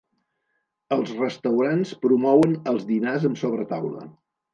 Els restaurants promouen els dinars amb sobretaula.